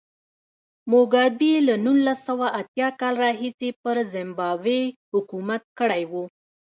موګابي له نولس سوه اتیا کال راهیسې پر زیمبابوې حکومت کړی و.